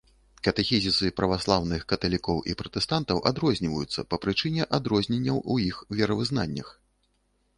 Катэхізісы праваслаўных, каталікоў і пратэстантаў адрозніваюцца па прычыне адрозненняў у іх веравызнаннях.